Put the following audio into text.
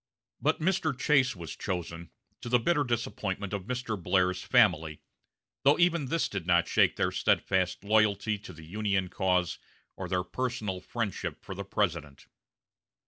But Mr. Chase was chosen, to the bitter disappointment of Mr. Blair's family, though even this did not shake their steadfast loyalty to the Union cause or their personal friendship for the President.